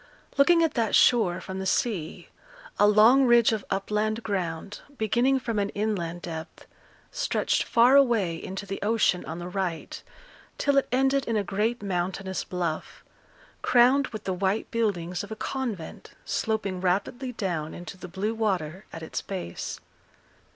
Looking at that shore from the sea, a long ridge of upland ground, beginning from an inland depth, stretched far away into the ocean on the right, till it ended in a great mountainous bluff, crowned with the white buildings of a convent sloping rapidly down into the blue water at its base.